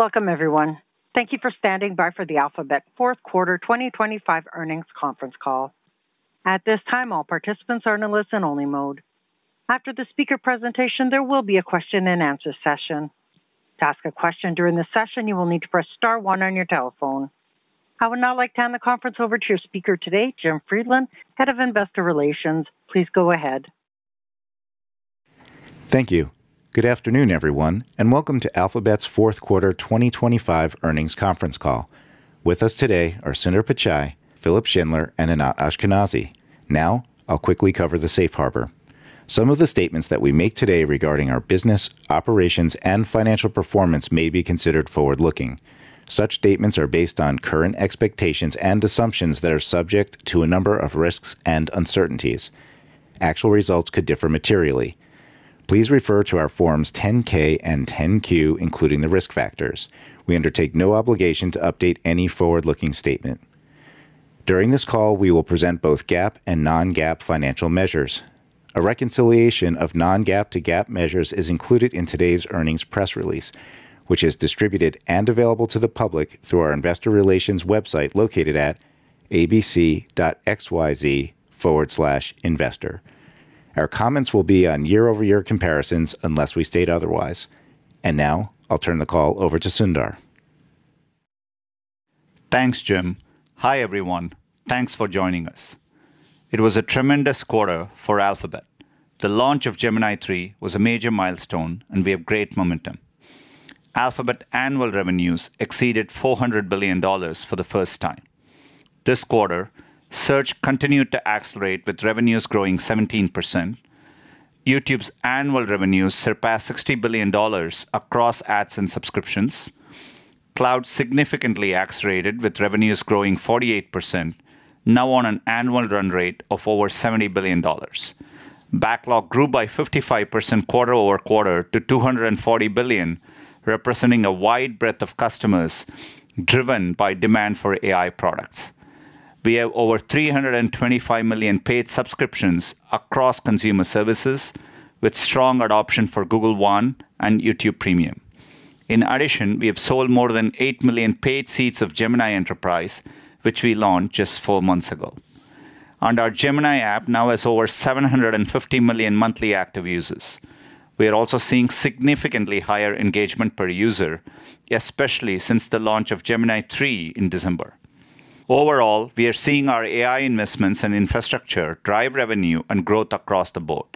Welcome everyone. Thank you for standing by for the Alphabet Fourth Quarter 2025 Earnings Conference Call. At this time, all participants are in a listen-only mode. After the speaker presentation, there will be a question-and-answer session. To ask a question during the session, you will need to press star one on your telephone. I would now like to turn the conference over to your speaker today, Jim Friedland, Head of Investor Relations. Please go ahead. Thank you. Good afternoon, everyone, and welcome to Alphabet's fourth quarter 2025 earnings conference call. With us today are Sundar Pichai, Philipp Schindler, and Anat Ashkenazi. Now, I'll quickly cover the safe harbor. Some of the statements that we make today regarding our business, operations, and financial performance may be considered forward-looking. Such statements are based on current expectations and assumptions that are subject to a number of risks and uncertainties. Actual results could differ materially. Please refer to our Forms 10-K and 10-Q, including the risk factors. We undertake no obligation to update any forward-looking statement. During this call, we will present both GAAP and non-GAAP financial measures. A reconciliation of non-GAAP to GAAP measures is included in today's earnings press release, which is distributed and available to the public through our investor relations website, located at abc.xyz/investor. Our comments will be on year-over-year comparisons unless we state otherwise. Now I'll turn the call over to Sundar. Thanks, Jim. Hi, everyone. Thanks for joining us. It was a tremendous quarter for Alphabet. The launch of Gemini 3 was a major milestone, and we have great momentum. Alphabet annual revenues exceeded $400 billion for the first time. This quarter, Search continued to accelerate, with revenues growing 17%. YouTube's annual revenues surpassed $60 billion across ads and subscriptions. Cloud significantly accelerated, with revenues growing 48%, now on an annual run rate of over $70 billion. Backlog grew by 55% quarter-over-quarter to $240 billion, representing a wide breadth of customers driven by demand for AI products. We have over 325 million paid subscriptions across consumer services, with strong adoption for Google One and YouTube Premium. In addition, we have sold more than eight million paid seats of Gemini Enterprise, which we launched just four months ago. Our Gemini app now has over 750 million monthly active users. We are also seeing significantly higher engagement per user, especially since the launch of Gemini 3 in December. Overall, we are seeing our AI investments and infrastructure drive revenue and growth across the board.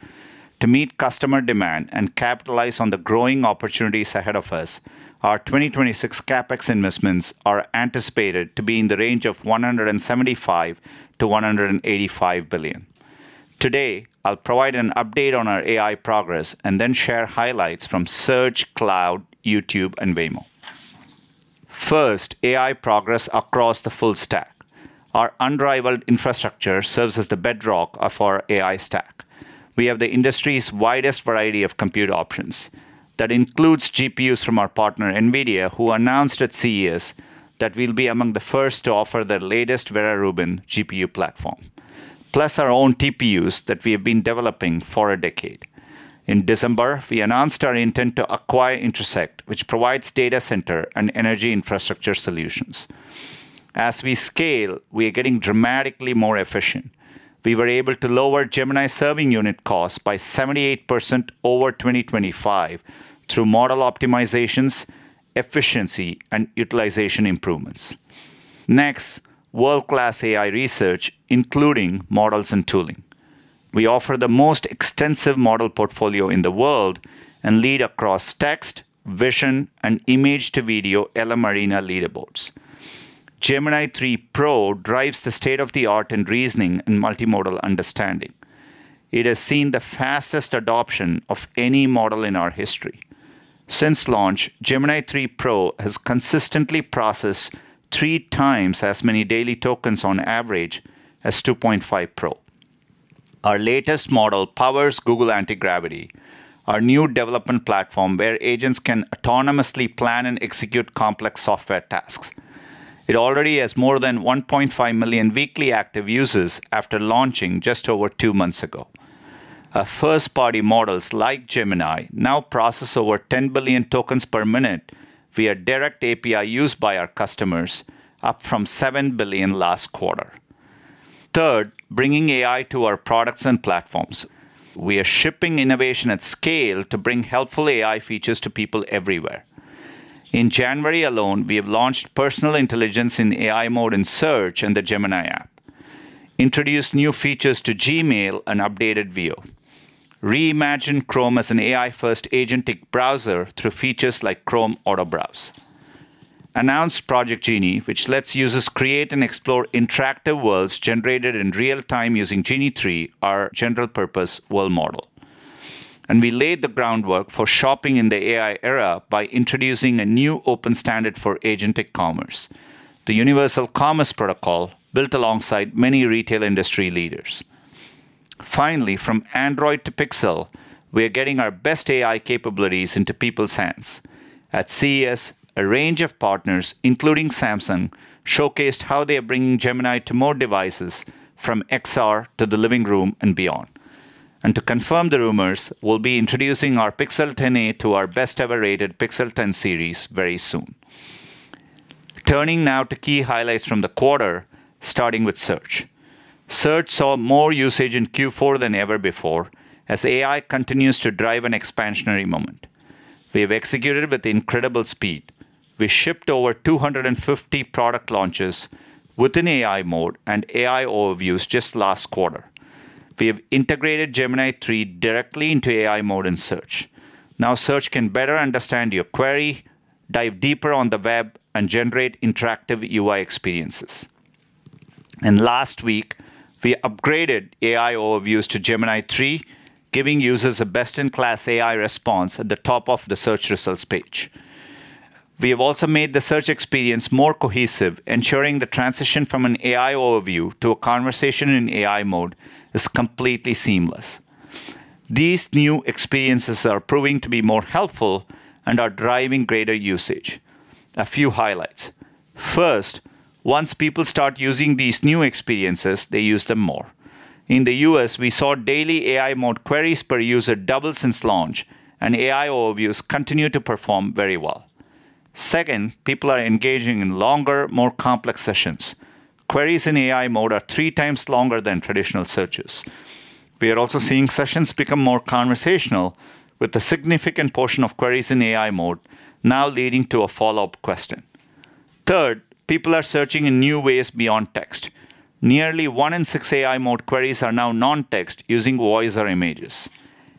To meet customer demand and capitalize on the growing opportunities ahead of us, our 2026 CapEx investments are anticipated to be in the range of $175 billion-$185 billion. Today, I'll provide an update on our AI progress and then share highlights from Search, Cloud, YouTube, and Waymo. First, AI progress across the full stack. Our unrivaled infrastructure serves as the bedrock of our AI stack. We have the industry's widest variety of compute options. That includes GPUs from our partner, NVIDIA, who announced at CES that we'll be among the first to offer the latest Vera Rubin GPU platform, plus our own TPUs that we have been developing for a decade. In December, we announced our intent to acquire Intersect, which provides data center and energy infrastructure solutions. As we scale, we are getting dramatically more efficient. We were able to lower Gemini serving unit costs by 78% over 2025 through model optimizations, efficiency, and utilization improvements. Next, world-class AI research, including models and tooling. We offer the most extensive model portfolio in the world and lead across text, vision, and image-to-video LLM Arena leaderboards. Gemini 3 Pro drives the state-of-the-art in reasoning and multimodal understanding. It has seen the fastest adoption of any model in our history. Since launch, Gemini 3 Pro has consistently processed three times as many daily tokens on average as 2.5 Pro. Our latest model powers Google Antigravity, our new development platform, where agents can autonomously plan and execute complex software tasks. It already has more than 1.5 million weekly active users after launching just over two months ago. Our first-party models, like Gemini, now process over 10 billion tokens per minute via direct API used by our customers, up from 7 billion last quarter. Third, bringing AI to our products and platforms. We are shipping innovation at scale to bring helpful AI features to people everywhere. In January alone, we have launched personal intelligence in AI Mode in Search and the Gemini app. We introduced new features to Gmail and updated Veo. We reimagined Chrome as an AI-first agentic browser through features like Chrome Autobrowse. We announced Project Genie, which lets users create and explore interactive worlds generated in real time using Genie 3, our general-purpose world model. We laid the groundwork for shopping in the AI era by introducing a new open standard for agentic commerce, the Universal Commerce Protocol, built alongside many retail industry leaders. Finally, from Android to Pixel, we are getting our best AI capabilities into people's hands. At CES, a range of partners, including Samsung, showcased how they are bringing Gemini to more devices, from XR to the living room and beyond. To confirm the rumors, we'll be introducing our Pixel 10a to our best-ever rated Pixel 10 series very soon. Turning now to key highlights from the quarter, starting with Search. Search saw more usage in Q4 than ever before, as AI continues to drive an expansionary moment. We have executed with incredible speed. We shipped over 250 product launches within AI Mode and AI Overviews just last quarter. We have integrated Gemini 3 directly into AI Mode and Search. Now, Search can better understand your query, dive deeper on the web, and generate interactive UI experiences. And last week, we upgraded AI Overviews to Gemini 3, giving users a best-in-class AI response at the top of the search results page. We have also made the search experience more cohesive, ensuring the transition from an AI Overview to a conversation in AI Mode is completely seamless. These new experiences are proving to be more helpful and are driving greater usage. A few highlights: first, once people start using these new experiences, they use them more. In the U.S., we saw daily AI Mode queries per user double since launch, and AI Overviews continue to perform very well. Second, people are engaging in longer, more complex sessions. Queries in AI Mode are three times longer than traditional searches. We are also seeing sessions become more conversational, with a significant portion of queries in AI Mode now leading to a follow-up question. Third, people are searching in new ways beyond text. Nearly one in six AI Mode queries are now non-text, using voice or images,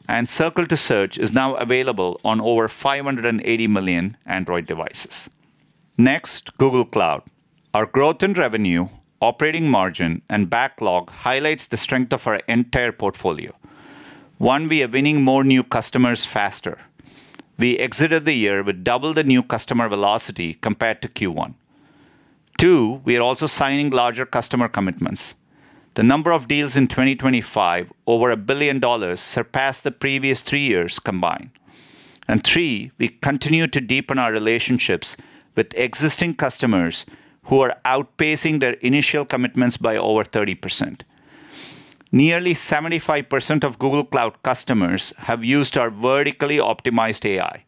and Circle to Search is now available on over 580 million Android devices. Next, Google Cloud. Our growth in revenue, operating margin, and backlog highlights the strength of our entire portfolio. One, we are winning more new customers faster. We exited the year with double the new customer velocity compared to Q1. Two, we are also signing larger customer commitments. The number of deals in 2025, over $1 billion, surpassed the previous 3 years combined. And three, we continue to deepen our relationships with existing customers who are outpacing their initial commitments by over 30%. Nearly 75% of Google Cloud customers have used our vertically optimized AI,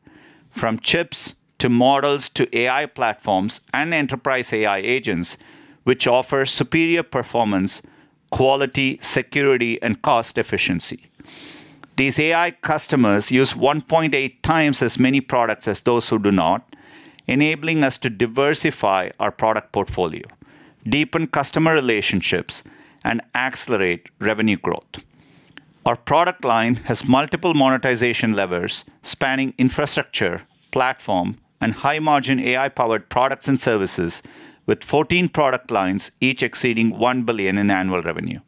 from chips to models to AI platforms and enterprise AI agents, which offer superior performance, quality, security, and cost efficiency. These AI customers use 1.8 times as many products as those who do not, enabling us to diversify our product portfolio, deepen customer relationships, and accelerate revenue growth. Our product line has multiple monetization levers, spanning infrastructure, platform, and high-margin AI-powered products and services, with 14 product lines, each exceeding $1 billion in annual revenue.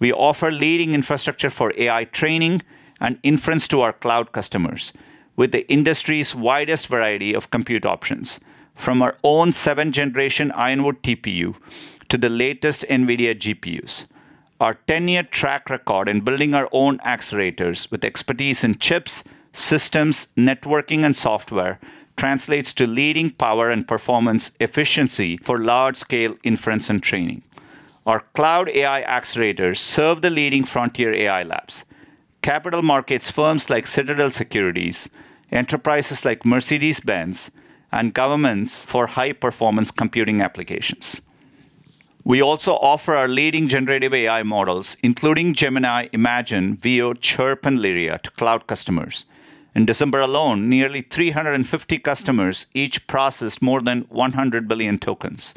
We offer leading infrastructure for AI training and inference to our cloud customers, with the industry's widest variety of compute options, from our own seventh-generation Ironwood TPU to the latest NVIDIA GPUs. Our 10-year track record in building our own accelerators with expertise in chips, systems, networking, and software translates to leading power and performance efficiency for large-scale inference and training. Our cloud AI accelerators serve the leading frontier AI labs, capital markets firms like Citadel Securities, enterprises like Mercedes-Benz, and governments for high-performance computing applications. We also offer our leading generative AI models, including Gemini, Imagen, Veo, Chirp, and Lyria, to cloud customers. In December alone, nearly 350 customers each processed more than 100 billion tokens.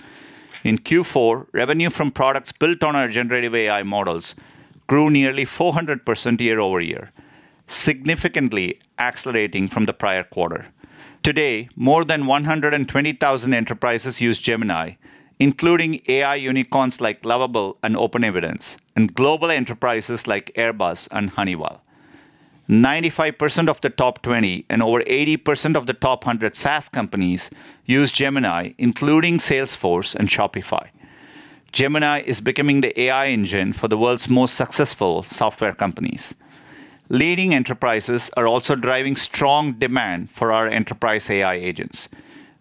In Q4, revenue from products built on our generative AI models grew nearly 400% year-over-year, significantly accelerating from the prior quarter. Today, more than 120,000 enterprises use Gemini, including AI unicorns like Lovable and OpenEvidence, and global enterprises like Airbus and Honeywell. 95% of the top 20 and over 80% of the top 100 SaaS companies use Gemini, including Salesforce and Shopify. Gemini is becoming the AI engine for the world's most successful software companies. Leading enterprises are also driving strong demand for our enterprise AI agents.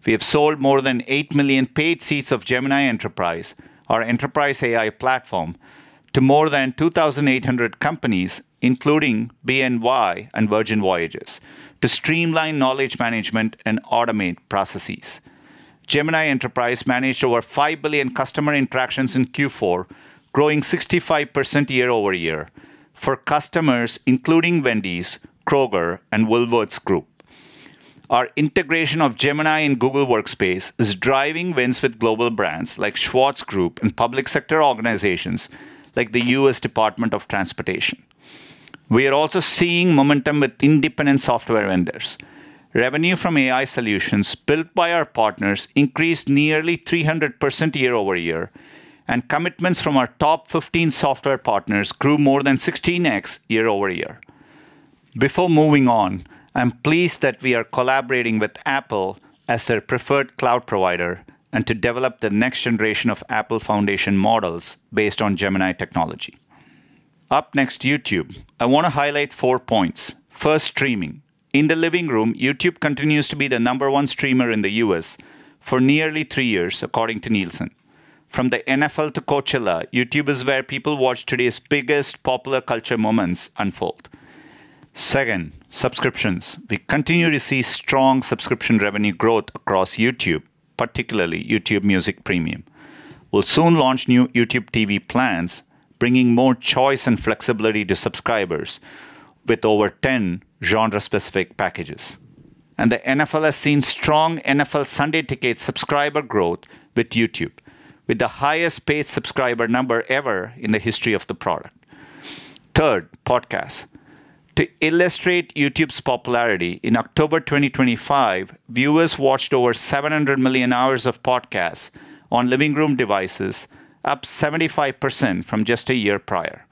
We have sold more than eight million paid seats of Gemini Enterprise, our enterprise AI platform, to more than 2,800 companies, including BNY and Virgin Voyages, to streamline knowledge management and automate processes. Gemini Enterprise managed over five billion customer interactions in Q4, growing 65% year-over-year for customers, including Wendy's, Kroger, and Woolworths Group. Our integration of Gemini in Google Workspace is driving wins with global brands like Schwarz Group and public sector organizations like the U.S. Department of Transportation. We are also seeing momentum with independent software vendors. Revenue from AI solutions built by our partners increased nearly 300% year-over-year, and commitments from our top 15 software partners grew more than 16x year-over-year. Before moving on, I'm pleased that we are collaborating with Apple as their preferred cloud provider, and to develop the next generation of Apple foundation models based on Gemini technology. Up next, YouTube. I want to highlight four points. First, streaming. In the living room, YouTube continues to be the number one streamer in the U.S. for nearly three years, according to Nielsen. From the NFL to Coachella, YouTube is where people watch today's biggest popular culture moments unfold. Second, subscriptions. We continue to see strong subscription revenue growth across YouTube, particularly YouTube Music Premium. We'll soon launch new YouTube TV plans, bringing more choice and flexibility to subscribers with over 10 genre-specific packages. And the NFL has seen strong NFL Sunday Ticket subscriber growth with YouTube, with the highest paid subscriber number ever in the history of the product. Third, podcasts. To illustrate YouTube's popularity, in October 2025, viewers watched over 700 million hours of podcasts on living room devices, up 75% from just a year prior.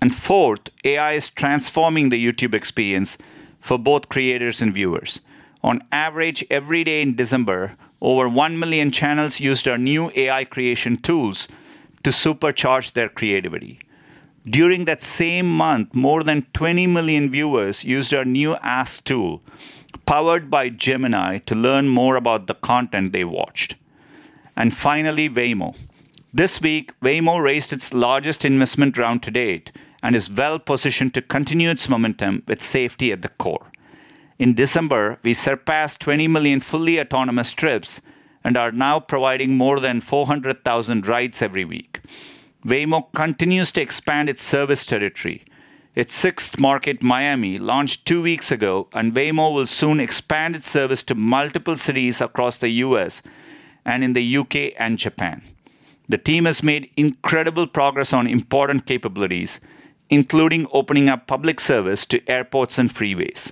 And fourth, AI is transforming the YouTube experience for both creators and viewers. On average, every day in December, over 1 million channels used our new AI creation tools to supercharge their creativity. During that same month, more than 20 million viewers used our new Ask tool, powered by Gemini, to learn more about the content they watched. Finally, Waymo. This week, Waymo raised its largest investment round to date and is well-positioned to continue its momentum with safety at the core. In December, we surpassed 20 million fully autonomous trips and are now providing more than 400,000 rides every week. Waymo continues to expand its service territory. Its sixth market, Miami, launched two weeks ago, and Waymo will soon expand its service to multiple cities across the U.S. and in the U.K. and Japan. The team has made incredible progress on important capabilities, including opening up public service to airports and freeways.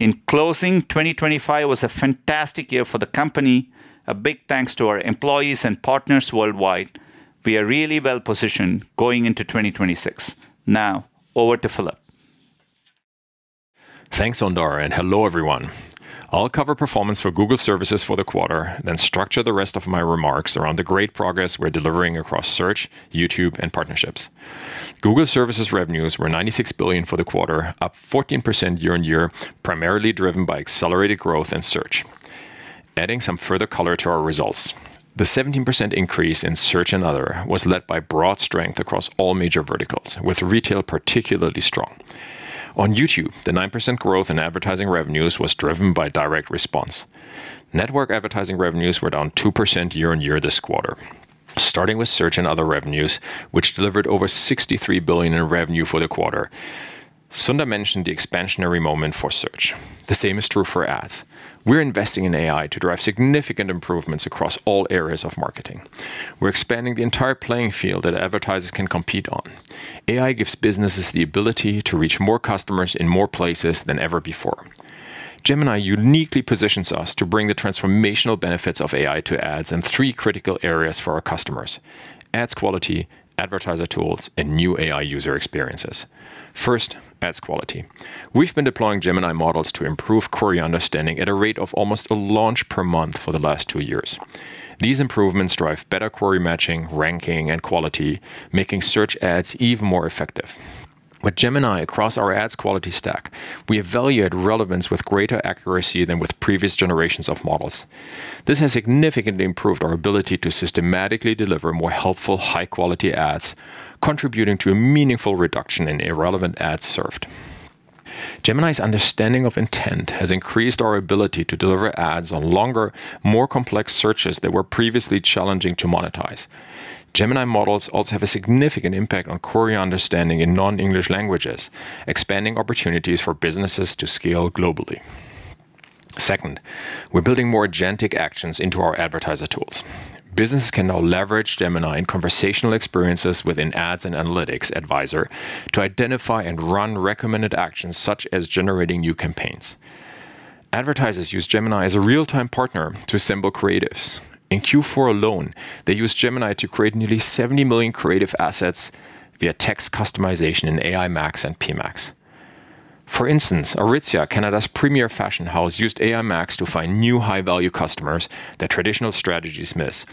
In closing, 2025 was a fantastic year for the company. A big thanks to our employees and partners worldwide. We are really well-positioned going into 2026. Now, over to Philipp. Thanks, Sundar, and hello, everyone. I'll cover performance for Google Services for the quarter, then structure the rest of my remarks around the great progress we're delivering across Search, YouTube, and partnerships. Google Services revenues were $96 billion for the quarter, up 14% year-over-year, primarily driven by accelerated growth in Search. Adding some further color to our results, the 17% increase in Search and Other was led by broad strength across all major verticals, with retail particularly strong. On YouTube, the 9% growth in advertising revenues was driven by direct response. Network advertising revenues were down 2% year-over-year this quarter. Starting with Search and Other revenues, which delivered over $63 billion in revenue for the quarter. Sundar mentioned the expansionary moment for Search. The same is true for Ads. We're investing in AI to drive significant improvements across all areas of marketing. We're expanding the entire playing field that advertisers can compete on. AI gives businesses the ability to reach more customers in more places than ever before. Gemini uniquely positions us to bring the transformational benefits of AI to ads in three critical areas for our customers: ads quality, advertiser tools, and new AI user experiences. First, ads quality. We've been deploying Gemini models to improve query understanding at a rate of almost a launch per month for the last two years. These improvements drive better query matching, ranking, and quality, making search ads even more effective. With Gemini across our ads quality stack, we evaluate relevance with greater accuracy than with previous generations of models. This has significantly improved our ability to systematically deliver more helpful, high-quality ads, contributing to a meaningful reduction in irrelevant ads served. Gemini's understanding of intent has increased our ability to deliver ads on longer, more complex searches that were previously challenging to monetize. Gemini models also have a significant impact on query understanding in non-English languages, expanding opportunities for businesses to scale globally. Second, we're building more agentic actions into our advertiser tools. Businesses can now leverage Gemini in conversational experiences within Ads and Analytics Advisor to identify and run recommended actions, such as generating new campaigns. Advertisers use Gemini as a real-time partner to assemble creatives. In Q4 alone, they used Gemini to create nearly 70 million creative assets via text customization in AI Max and PMax. For instance, Aritzia, Canada's premier fashion house, used AI Max to find new high-value customers that traditional strategies miss,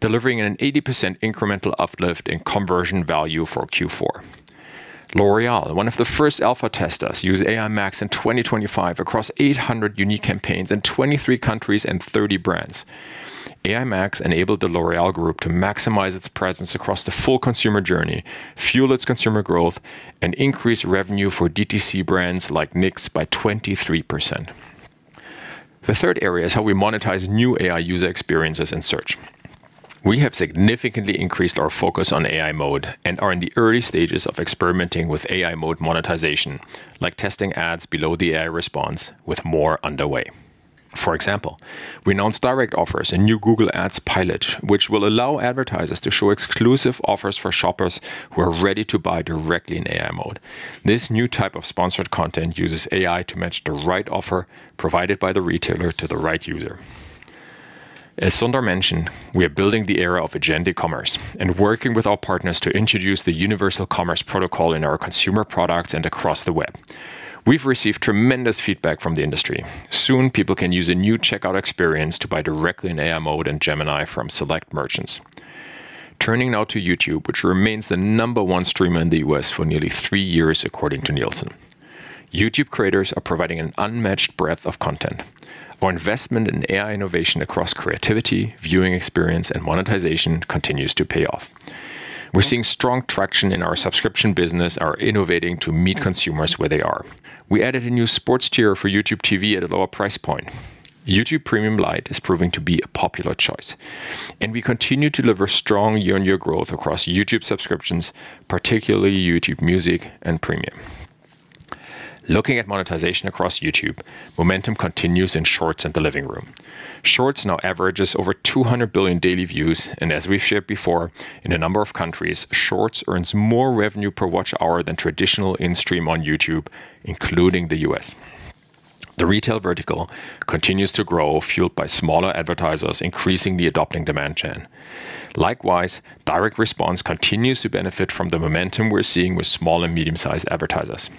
delivering an 80% incremental uplift in conversion value for Q4. L'Oréal, one of the first alpha testers, used AI Max in 2025 across 800 unique campaigns in 23 countries and 30 brands. AI Max enabled the L'Oréal Group to maximize its presence across the full consumer journey, fuel its consumer growth, and increase revenue for DTC brands like NYX by 23%. The third area is how we monetize new AI user experiences in Search. We have significantly increased our focus on AI Mode and are in the early stages of experimenting with AI Mode monetization, like testing ads below the AI response, with more underway. For example, we announced Direct Offers, a new Google Ads pilot, which will allow advertisers to show exclusive offers for shoppers who are ready to buy directly in AI Mode. This new type of sponsored content uses AI to match the right offer provided by the retailer to the right user. As Sundar mentioned, we are building the era of agentic commerce and working with our partners to introduce the universal commerce protocol in our consumer products and across the web. We've received tremendous feedback from the industry. Soon, people can use a new checkout experience to buy directly in AI Mode and Gemini from select merchants. Turning now to YouTube, which remains the number one streamer in the U.S. for nearly three years, according to Nielsen. YouTube creators are providing an unmatched breadth of content. Our investment in AI innovation across creativity, viewing experience, and monetization continues to pay off. We're seeing strong traction in our subscription business, are innovating to meet consumers where they are. We added a new sports tier for YouTube TV at a lower price point. YouTube Premium Lite is proving to be a popular choice, and we continue to deliver strong year-on-year growth across YouTube subscriptions, particularly YouTube Music and Premium. Looking at monetization across YouTube, momentum continues in Shorts and the living room. Shorts now averages over 200 billion daily views, and as we've shared before, in a number of countries, Shorts earns more revenue per watch hour than traditional in-stream on YouTube, including the U.S. The retail vertical continues to grow, fueled by smaller advertisers increasingly adopting Demand Gen. Likewise, direct response continues to benefit from the momentum we're seeing with small and medium-sized advertisers.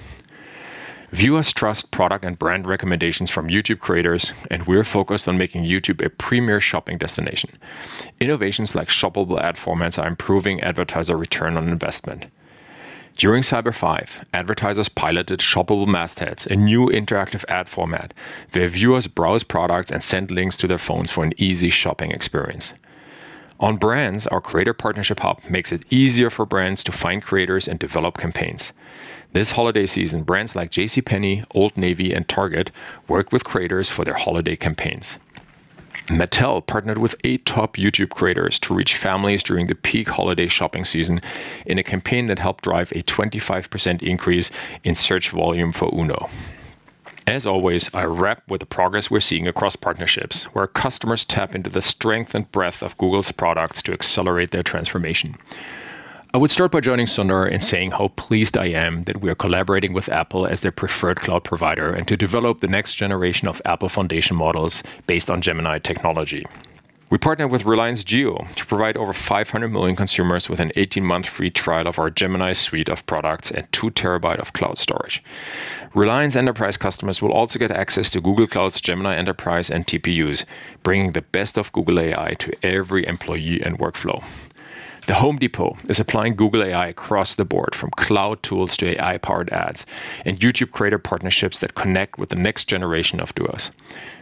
Viewers trust product and brand recommendations from YouTube creators, and we're focused on making YouTube a premier shopping destination. Innovations like shoppable ad formats are improving advertiser return on investment. During Cyber Five, advertisers piloted Shoppable Mastheads, a new interactive ad format, where viewers browse products and send links to their phones for an easy shopping experience. On brands, our Creator Partnership Hub makes it easier for brands to find creators and develop campaigns. This holiday season, brands like JCPenney, Old Navy, and Target worked with creators for their holiday campaigns. Mattel partnered with eight top YouTube creators to reach families during the peak holiday shopping season in a campaign that helped drive a 25% increase in search volume for Uno. As always, I wrap with the progress we're seeing across partnerships, where customers tap into the strength and breadth of Google's products to accelerate their transformation. I would start by joining Sundar in saying how pleased I am that we are collaborating with Apple as their preferred cloud provider, and to develop the next generation of Apple foundation models based on Gemini technology. We partnered with Reliance Jio to provide over 500 million consumers with an 18-month free trial of our Gemini suite of products and 2 TB of cloud storage. Reliance enterprise customers will also get access to Google Cloud's Gemini Enterprise and TPUs, bringing the best of Google AI to every employee and workflow. The Home Depot is applying Google AI across the board, from cloud tools to AI-powered ads and YouTube creator partnerships that connect with the next generation of doers.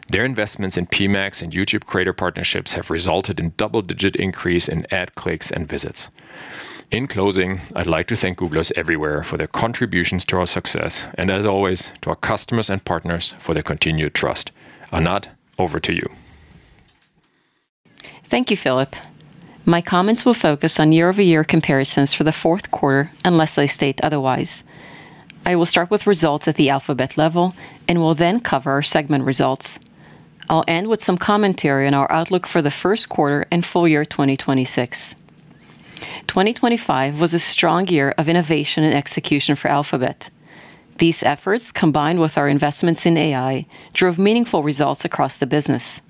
Their investments in PMax and YouTube creator partnerships have resulted in double-digit increase in ad clicks and visits. In closing, I'd like to thank Googlers everywhere for their contributions to our success and as always, to our customers and partners for their continued trust. Anat, over to you. Thank you, Philipp. My comments will focus on year-over-year comparisons for the fourth quarter, unless I state otherwise. I will start with results at the Alphabet level and will then cover our segment results. I'll end with some commentary on our outlook for the first quarter and full year 2026. 2025 was a strong year of innovation and execution for Alphabet. These efforts, combined with our investments in AI, drove meaningful results across the business.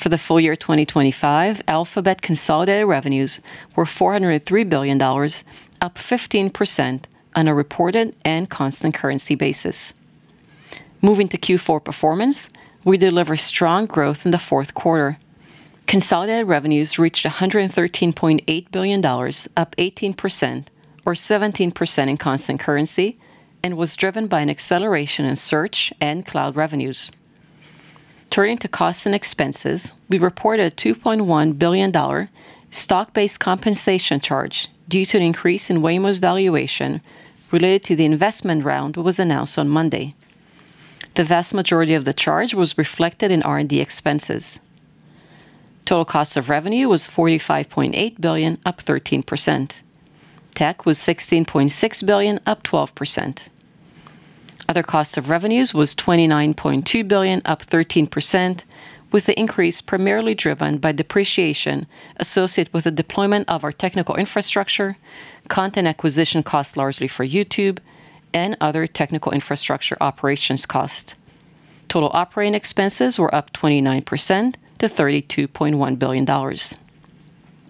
For the full year 2025, Alphabet consolidated revenues were $403 billion, up 15% on a reported and constant currency basis. Moving to Q4 performance, we delivered strong growth in the fourth quarter. Consolidated revenues reached $113.8 billion, up 18% or 17% in constant currency, and was driven by an acceleration in Search and Cloud revenues. Turning to costs and expenses, we reported a $2.1 billion stock-based compensation charge due to an increase in Waymo's valuation related to the investment round, which was announced on Monday. The vast majority of the charge was reflected in R&D expenses. Total cost of revenue was $45.8 billion, up 13%. TAC was $16.6 billion, up 12%. Other cost of revenues was $29.2 billion, up 13%, with the increase primarily driven by depreciation associated with the deployment of our technical infrastructure, content acquisition costs, largely for YouTube, and other technical infrastructure operations costs. Total operating expenses were up 29% to $32.1 billion.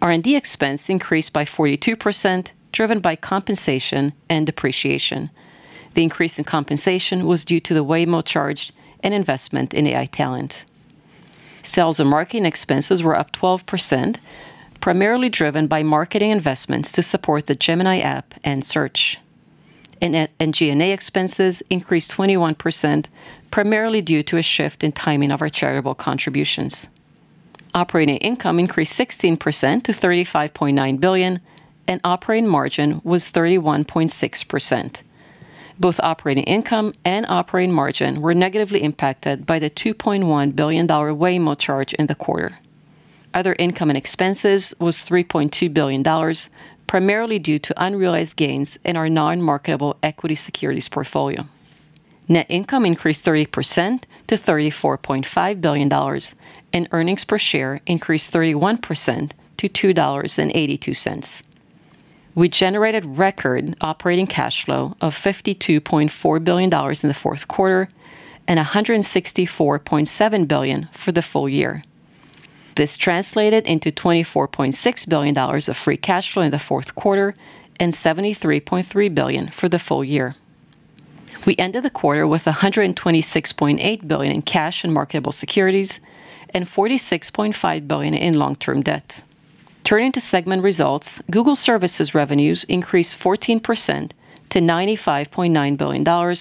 R&D expense increased by 42%, driven by compensation and depreciation. The increase in compensation was due to the Waymo charge and investment in AI talent. Sales and marketing expenses were up 12%, primarily driven by marketing investments to support the Gemini app and Search. And G&A expenses increased 21%, primarily due to a shift in timing of our charitable contributions. Operating income increased 16% to $35.9 billion, and operating margin was 31.6%. Both operating income and operating margin were negatively impacted by the $2.1 billion Waymo charge in the quarter. Other income and expenses was $3.2 billion, primarily due to unrealized gains in our non-marketable equity securities portfolio. Net income increased 30% to $34.5 billion, and earnings per share increased 31% to $2.82. We generated record operating cash flow of $52.4 billion in the fourth quarter and $164.7 billion for the full year. This translated into $24.6 billion of free cash flow in the fourth quarter and $73.3 billion for the full year. We ended the quarter with $126.8 billion in cash and marketable securities and $46.5 billion in long-term debt. Turning to segment results, Google Services revenues increased 14% to $95.9 billion,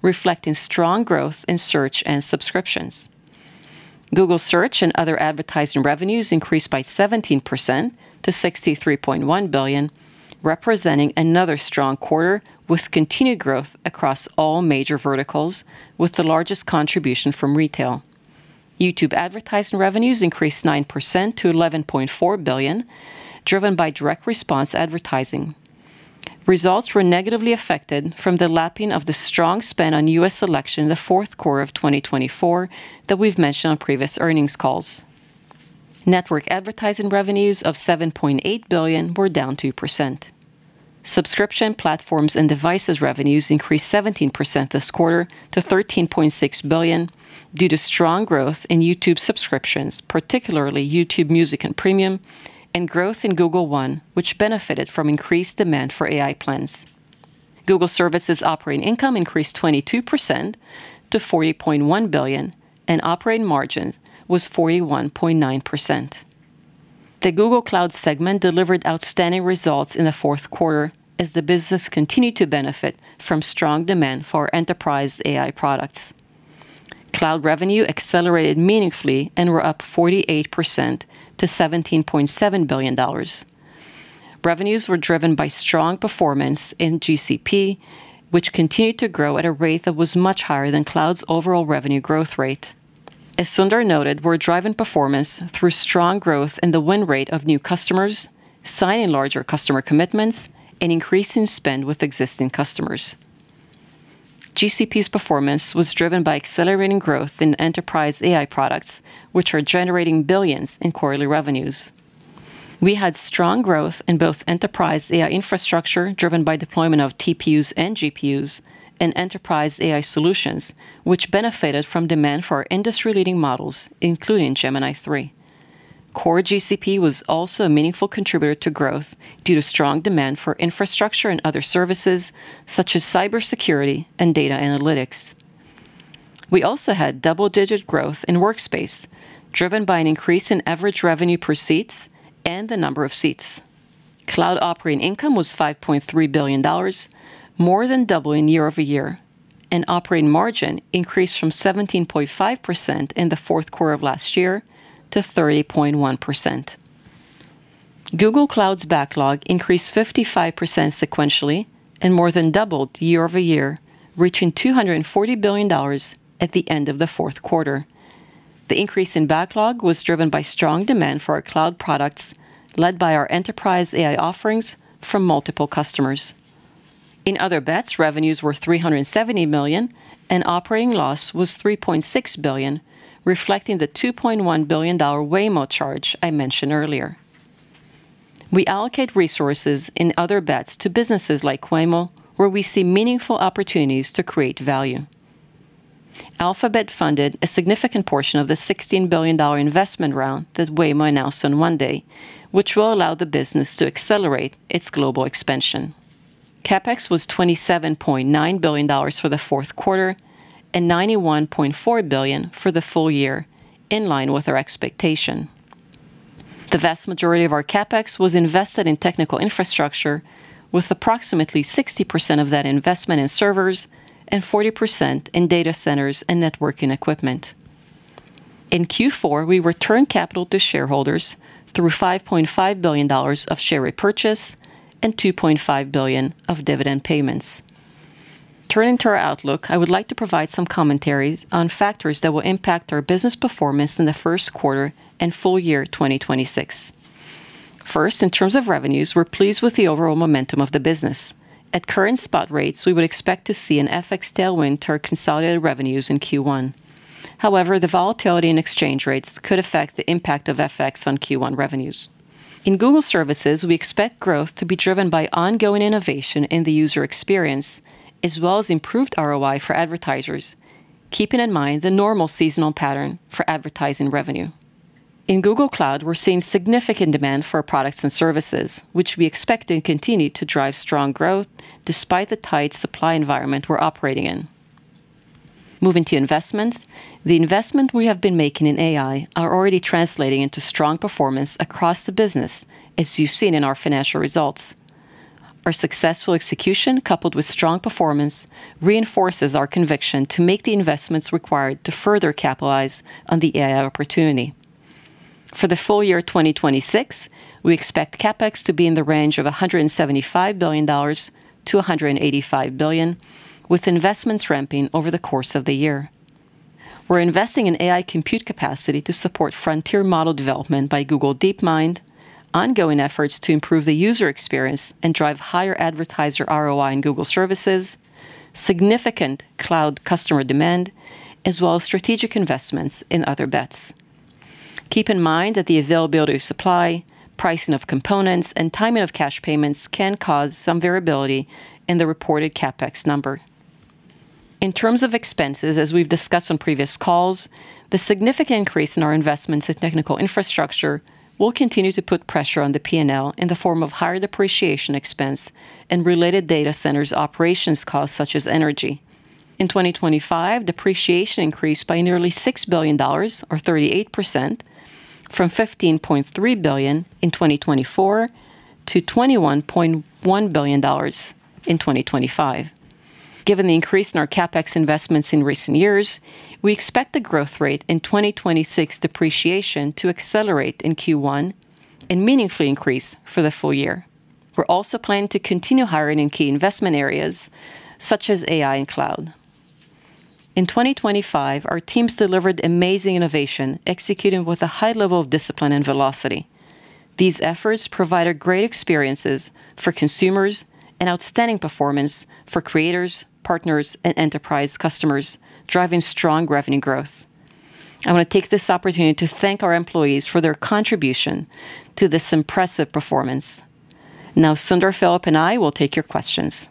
reflecting strong growth in Search and subscriptions. Google Search and other advertising revenues increased by 17% to $63.1 billion, representing another strong quarter with continued growth across all major verticals, with the largest contribution from retail. YouTube advertising revenues increased 9% to $11.4 billion, driven by direct response advertising. Results were negatively affected from the lapping of the strong spend on U.S. election in the fourth quarter of 2024 that we've mentioned on previous earnings calls. Network advertising revenues of $7.8 billion were down 2%. Subscription platforms and devices revenues increased 17% this quarter to $13.6 billion, due to strong growth in YouTube subscriptions, particularly YouTube Music and Premium, and growth in Google One, which benefited from increased demand for AI plans. Google Services operating income increased 22% to $40.1 billion, and operating margins was 41.9%. The Google Cloud segment delivered outstanding results in the fourth quarter as the business continued to benefit from strong demand for our enterprise AI products. Cloud revenue accelerated meaningfully and were up 48% to $17.7 billion. Revenues were driven by strong performance in GCP, which continued to grow at a rate that was much higher than Cloud's overall revenue growth rate. As Sundar noted, we're driving performance through strong growth in the win rate of new customers, signing larger customer commitments, and increasing spend with existing customers. GCP's performance was driven by accelerating growth in enterprise AI products, which are generating $ billions in quarterly revenues. We had strong growth in both enterprise AI infrastructure, driven by deployment of TPUs and GPUs, and enterprise AI solutions, which benefited from demand for our industry-leading models, including Gemini 3. Core GCP was also a meaningful contributor to growth due to strong demand for infrastructure and other services, such as cybersecurity and data analytics. We also had double-digit growth in Workspace, driven by an increase in average revenue per seat and the number of seats. Cloud operating income was $5.3 billion, more than doubling year-over-year, and operating margin increased from 17.5% in the fourth quarter of last year to 30.1%. Google Cloud's backlog increased 55% sequentially and more than doubled year-over-year, reaching $240 billion at the end of the fourth quarter. The increase in backlog was driven by strong demand for our Cloud products, led by our enterprise AI offerings from multiple customers. In Other Bets, revenues were $370 million, and operating loss was $3.6 billion, reflecting the $2.1 billion Waymo charge I mentioned earlier. We allocate resources in Other Bets to businesses like Waymo, where we see meaningful opportunities to create value. Alphabet funded a significant portion of the $16 billion investment round that Waymo announced on Monday, which will allow the business to accelerate its global expansion. CapEx was $27.9 billion for the fourth quarter and $91.4 billion for the full year, in line with our expectation. The vast majority of our CapEx was invested in technical infrastructure, with approximately 60% of that investment in servers and 40% in data centers and networking equipment. In Q4, we returned capital to shareholders through $5.5 billion of share repurchase and $2.5 billion of dividend payments. Turning to our outlook, I would like to provide some commentaries on factors that will impact our business performance in the first quarter and full year 2026. First, in terms of revenues, we're pleased with the overall momentum of the business. At current spot rates, we would expect to see an FX tailwind to our consolidated revenues in Q1. However, the volatility in exchange rates could affect the impact of FX on Q1 revenues. In Google Services, we expect growth to be driven by ongoing innovation in the user experience, as well as improved ROI for advertisers, keeping in mind the normal seasonal pattern for advertising revenue. In Google Cloud, we're seeing significant demand for our products and services, which we expect to continue to drive strong growth despite the tight supply environment we're operating in. Moving to investments. The investment we have been making in AI are already translating into strong performance across the business, as you've seen in our financial results. Our successful execution, coupled with strong performance, reinforces our conviction to make the investments required to further capitalize on the AI opportunity. For the full year 2026, we expect CapEx to be in the range of $175 billion-$185 billion, with investments ramping over the course of the year. We're investing in AI compute capacity to support frontier model development by Google DeepMind, ongoing efforts to improve the user experience and drive higher advertiser ROI in Google services, significant cloud customer demand, as well as strategic investments in Other Bets. Keep in mind that the availability of supply, pricing of components, and timing of cash payments can cause some variability in the reported CapEx number. In terms of expenses, as we've discussed on previous calls, the significant increase in our investments in technical infrastructure will continue to put pressure on the P&L in the form of higher depreciation expense and related data centers operations costs, such as energy. In 2025, depreciation increased by nearly $6 billion, or 38%, from $15.3 billion in 2024 to $21.1 billion in 2025. Given the increase in our CapEx investments in recent years, we expect the growth rate in 2026 depreciation to accelerate in Q1 and meaningfully increase for the full year. We're also planning to continue hiring in key investment areas such as AI and Cloud. In 2025, our teams delivered amazing innovation, executing with a high level of discipline and velocity. These efforts provided great experiences for consumers and outstanding performance for creators, partners, and enterprise customers, driving strong revenue growth. I want to take this opportunity to thank our employees for their contribution to this impressive performance. Now, Sundar, Philipp, and I will take your questions.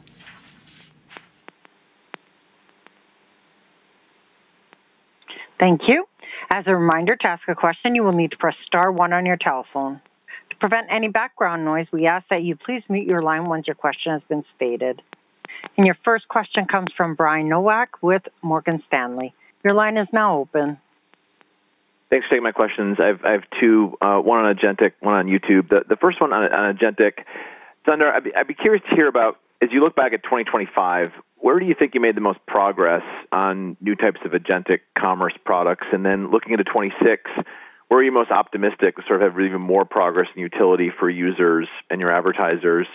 Thank you. As a reminder, to ask a question, you will need to press star one on your telephone. To prevent any background noise, we ask that you please mute your line once your question has been stated. Your first question comes from Brian Nowak with Morgan Stanley. Your line is now open. Thanks for taking my questions. I've two, one on agentic, one on YouTube. The first one on agentic, Sundar, I'd be curious to hear about, as you look back at 2025, where do you think you made the most progress on new types of agentic commerce products? And then looking into 2026, where are you most optimistic sort of have even more progress and utility for users and your advertisers?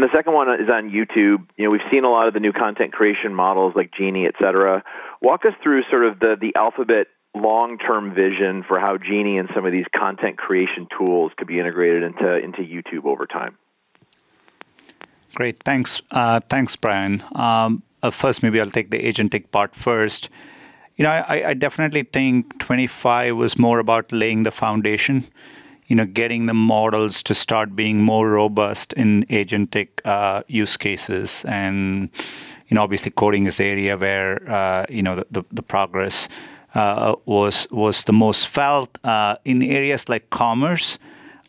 And the second one is on YouTube. You know, we've seen a lot of the new content creation models like Genie, et cetera. Walk us through sort of the Alphabet long-term vision for how Genie and some of these content creation tools could be integrated into YouTube over time. Great. Thanks, Brian. First, maybe I'll take the agentic part first. You know, I definitely think 2025 was more about laying the foundation, you know, getting the models to start being more robust in agentic use cases. And, you know, obviously, coding is the area where, you know, the progress was the most felt. In areas like commerce,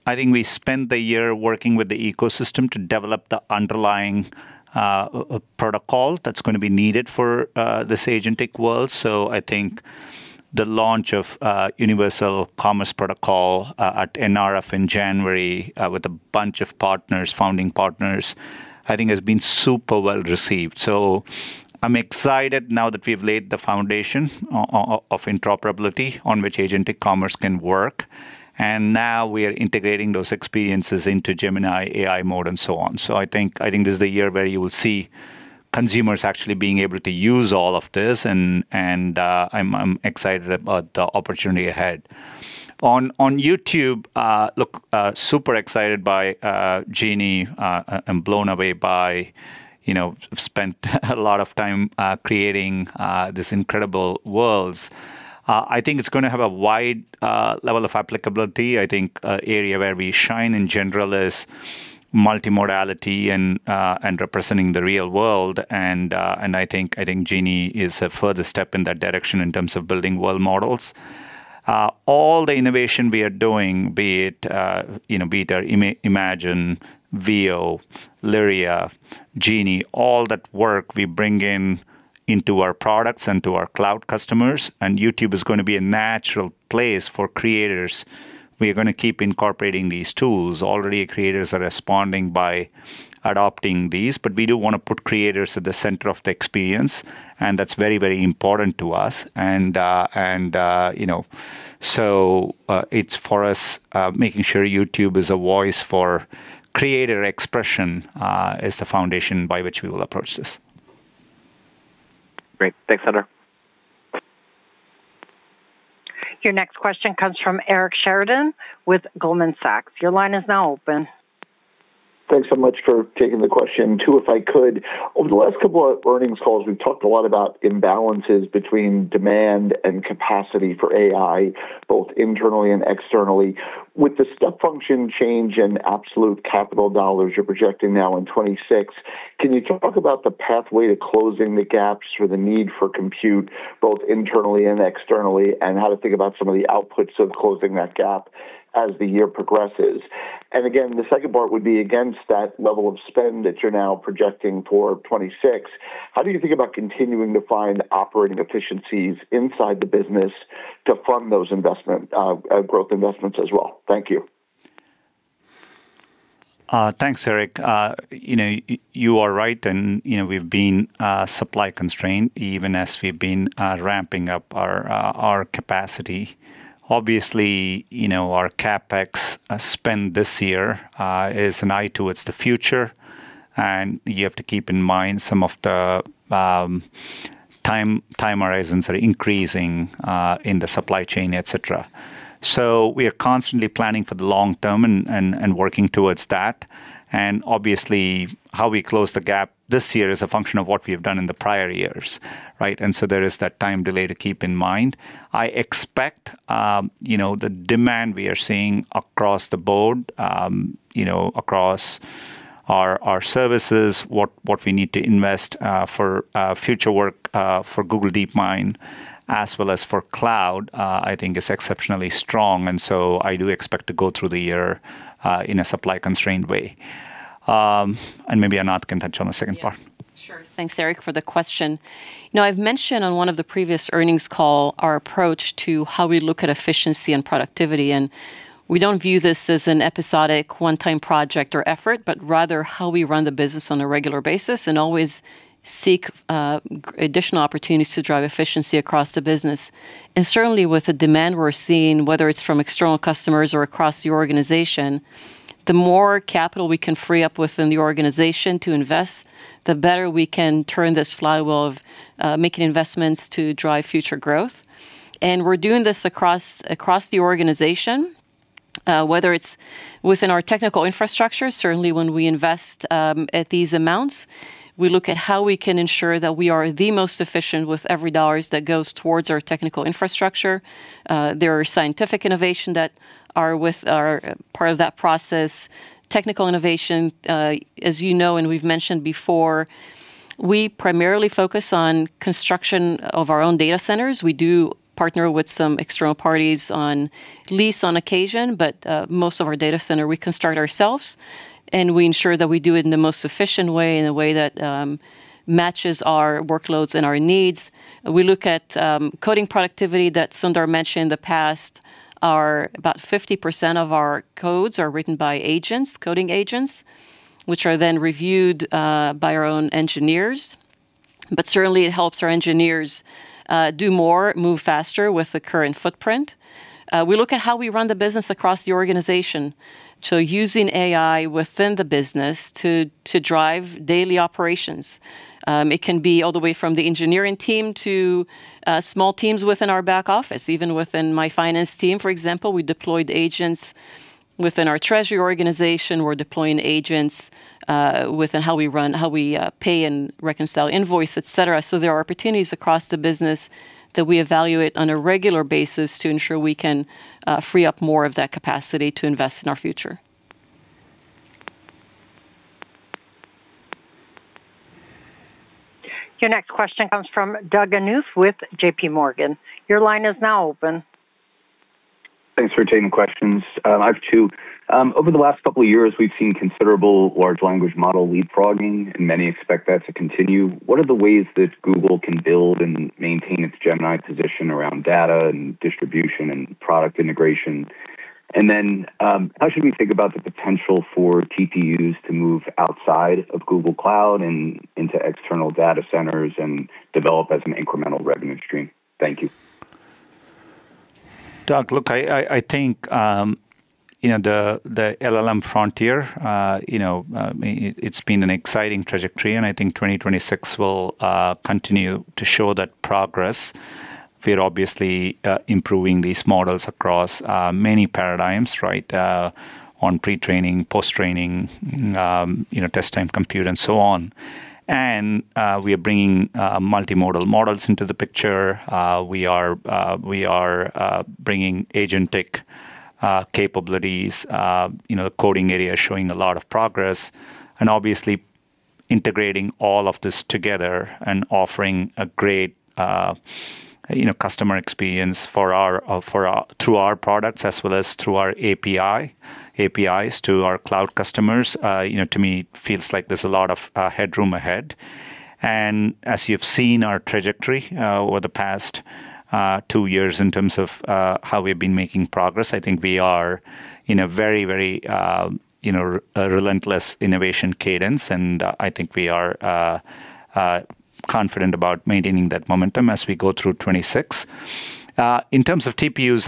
I think we spent the year working with the ecosystem to develop the underlying protocol that's going to be needed for this agentic world. So I think the launch of Universal Commerce Protocol at NRF in January with a bunch of partners, founding partners, I think has been super well-received. So I'm excited now that we've laid the foundation of interoperability on which agentic commerce can work, and now we are integrating those experiences into Gemini, AI Mode, and so on. So I think, I think this is the year where you will see consumers actually being able to use all of this, and, and, I'm, I'm excited about the opportunity ahead. On, on YouTube, look, super excited by, Genie, I'm blown away by, you know, spent a lot of time, creating, these incredible worlds. I think it's going to have a wide, level of applicability. I think, area where we shine in general is multimodality and, and representing the real world, and, and I think, I think Genie is a further step in that direction in terms of building world models. All the innovation we are doing, be it, you know, be it Imagen, Veo, Lyria, Genie, all that work we bring in into our products and to our Cloud customers, and YouTube is going to be a natural place for creators. We are going to keep incorporating these tools. Already, creators are responding by adopting these, but we do want to put creators at the center of the experience, and that's very, very important to us. And, you know, so it's for us, making sure YouTube is a voice for creator expression, is the foundation by which we will approach this. Great. Thanks, Sundar. Your next question comes from Eric Sheridan with Goldman Sachs. Your line is now open. Thanks so much for taking the question. Two, if I could. Over the last couple of earnings calls, we've talked a lot about imbalances between demand and capacity for AI, both internally and externally. With the step function change and absolute capital dollars you're projecting now in 2026, can you talk about the pathway to closing the gaps or the need for compute, both internally and externally, and how to think about some of the outputs of closing that gap as the year progresses? And again, the second part would be, against that level of spend that you're now projecting for 2026, how do you think about continuing to find operating efficiencies inside the business to fund those investment, growth investments as well? Thank you. Thanks, Eric. You know, you are right, and, you know, we've been supply constrained even as we've been ramping up our capacity. Obviously, you know, our CapEx spend this year is an eye towards the future, and you have to keep in mind some of the time horizons are increasing in the supply chain, et cetera. So we are constantly planning for the long term and working towards that. And obviously, how we close the gap this year is a function of what we have done in the prior years, right? And so there is that time delay to keep in mind. I expect, you know, the demand we are seeing across the board, you know, across our services, what we need to invest for future work for Google DeepMind as well as for Cloud, I think is exceptionally strong, and so I do expect to go through the year in a supply-constrained way. And maybe Anat can touch on the second part. Yeah, sure. Thanks, Eric, for the question. Now, I've mentioned on one of the previous earnings call our approach to how we look at efficiency and productivity, and we don't view this as an episodic one-time project or effort, but rather how we run the business on a regular basis and always seek additional opportunities to drive efficiency across the business. And certainly, with the demand we're seeing, whether it's from external customers or across the organization, the more capital we can free up within the organization to invest, the better we can turn this flywheel of making investments to drive future growth. And we're doing this across the organization, whether it's within our technical infrastructure. Certainly, when we invest at these amounts, we look at how we can ensure that we are the most efficient with every dollars that goes towards our technical infrastructure. There are scientific innovation that are part of that process. Technical innovation, as you know and we've mentioned before, we primarily focus on construction of our own data centers. We do partner with some external parties on lease on occasion, but, most of our data center we construct ourselves, and we ensure that we do it in the most efficient way, in a way that, matches our workloads and our needs. We look at, coding productivity that Sundar mentioned in the past, are about 50% of our codes are written by agents, coding agents, which are then reviewed, by our own engineers. But certainly, it helps our engineers, do more, move faster with the current footprint. We look at how we run the business across the organization, so using AI within the business to, drive daily operations. It can be all the way from the engineering team to small teams within our back office. Even within my finance team, for example, we deployed agents within our treasury organization. We're deploying agents within how we pay and reconcile invoice, et cetera. So there are opportunities across the business that we evaluate on a regular basis to ensure we can free up more of that capacity to invest in our future. Your next question comes from Doug Anmuth with J.P. Morgan. Your line is now open. Thanks for taking questions. I have two. Over the last couple of years, we've seen considerable large language model leapfrogging, and many expect that to continue. What are the ways that Google can build and maintain its Gemini position around data and distribution and product integration? And then, how should we think about the potential for TPUs to move outside of Google Cloud and into external data centers and develop as an incremental revenue stream? Thank you. Doug, look, I think, you know, the LLM frontier, you know, it's been an exciting trajectory, and I think 2026 will continue to show that progress. We're obviously improving these models across many paradigms, right? On pre-training, post-training, you know, test time compute, and so on. And we are bringing multimodal models into the picture. We are bringing agentic capabilities, you know, coding area showing a lot of progress, and obviously integrating all of this together and offering a great, you know, customer experience through our products as well as through our APIs to our cloud customers, you know, to me, feels like there's a lot of headroom ahead. As you've seen our trajectory over the past two years in terms of how we've been making progress, I think we are in a very, very you know relentless innovation cadence, and I think we are confident about maintaining that momentum as we go through 2026. In terms of TPUs,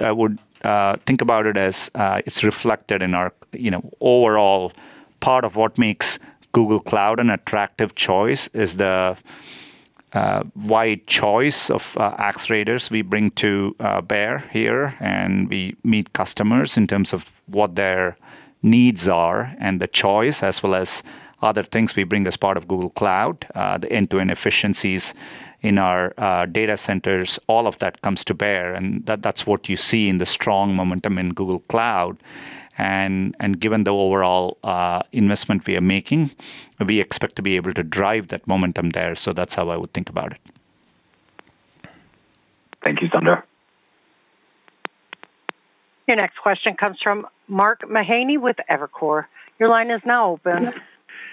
I would think about it as it's reflected in our. You know, overall, part of what makes Google Cloud an attractive choice is the wide choice of accelerators we bring to bear here, and we meet customers in terms of what their needs are and the choice, as well as other things we bring as part of Google Cloud, the end-to-end efficiencies in our data centers, all of that comes to bear, and that's what you see in the strong momentum in Google Cloud. And, given the overall investment we are making, we expect to be able to drive that momentum there. So that's how I would think about it. Thank you, Sundar. Your next question comes from Mark Mahaney with Evercore. Your line is now open.